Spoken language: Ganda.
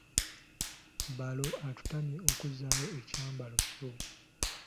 Balo atutumye okuzzaayo ekyambalo kyo!